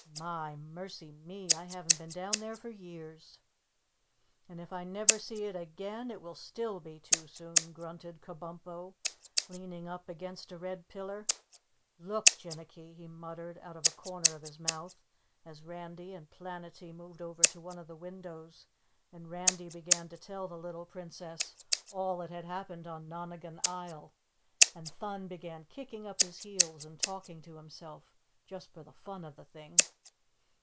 My! mercy! me! I haven't been down there for years!" "And if I never see it again, it will still be too soon," grunted Kabumpo, leaning up against a red pillar. "Look, Jinnicky," he muttered out of a corner of his mouth as Randy and Planetty moved over to one of the windows and Randy began to tell the little Princess all that had happened on Nonagon Isle and Thun began kicking up his heels and talking to himself just for the fun of the thing.